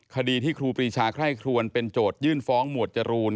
คดีที่ครูปรีชาไคร่ครวนเป็นโจทยื่นฟ้องหมวดจรูน